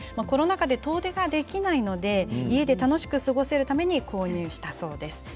コロナ禍で遠出できないため家で楽しく過ごせるために購入したんだそうです。